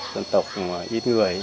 dân tộc ít người